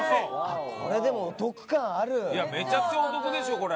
めちゃくちゃお得でしょこれ。